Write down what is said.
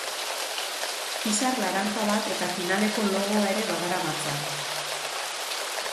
Izar laranja bat eta finaleko logoa ere badaramatza.